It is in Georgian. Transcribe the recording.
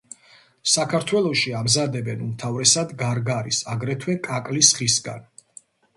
საქართველოში ამზადებენ უმთავრესად გარგარის, აგრეთვე კაკლის ხისგან.